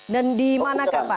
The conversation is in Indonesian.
dan di mana kah pak